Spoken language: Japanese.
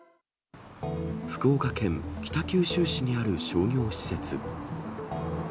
福岡県北九州市にある商業施設。